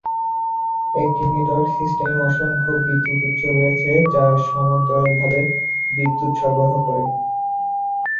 একটি নেটওয়ার্ক সিস্টেমে অসংখ্য বিদ্যুৎ উৎস রয়েছে যারা সমান্তরাল ভাবে বিদ্যুৎ সরবরাহ করে।